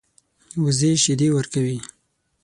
وزې شیدې ورکوي